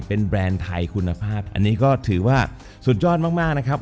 เป็นแบรนด์ไทยคุณภาพอันนี้ก็ถือว่าสุดยอดมากนะครับ